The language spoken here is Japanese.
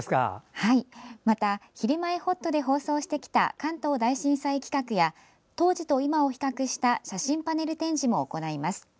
また、「ひるまえほっと」で放送してきた関東大震災企画や当時と今を比較した写真パネル展示も行います。